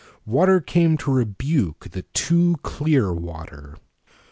Water came to rebuke the too clear water.